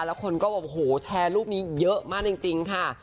แล้วคนก็แชร์รูปนี้เยอะมากจริงค่ะ